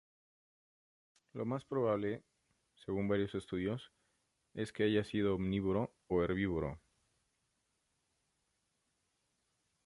Lo más probable, según varios estudios, es que haya sido omnívoro o herbívoro.